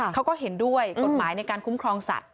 เขาก็เห็นด้วยกฎหมายในการคุ้มครองสัตว